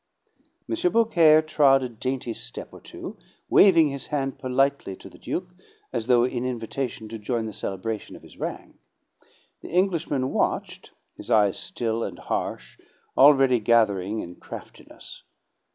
M. Beaucaire trod a dainty step or two, waving his hand politely to the Duke, as though in invitation to join the celebration of his rank. The Englishman watched, his eye still and harsh, already gathering in craftiness.